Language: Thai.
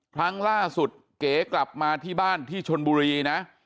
ครั้งล่าสุดเก๋กลับมาที่บ้านที่ชนบุรีนะ